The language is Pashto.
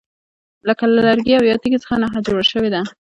لکه له لرګي او یا تیږي څخه نښه جوړه شوې ده.